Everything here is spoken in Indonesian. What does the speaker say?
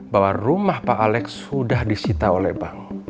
bahwa rumah pak alex sudah disita oleh bank